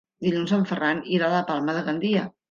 Dilluns en Ferran irà a Palma de Gandia.